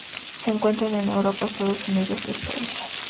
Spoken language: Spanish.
Se encuentra en Europa, Estados Unidos y Australia.